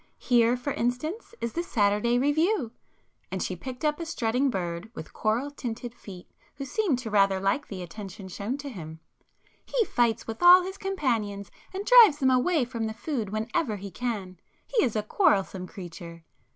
Here, for instance, is the 'Saturday Review'"—and she picked up a strutting bird with coral tinted feet, who seemed to rather like the attention shown to him—"He fights with all his companions and drives them away from the food whenever he can. He is a quarrelsome creature!"